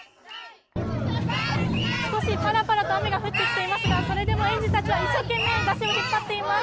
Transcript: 少し、パラパラと雨が降ってきていますがそれでも園児たちは一生懸命だしを引っ張っています。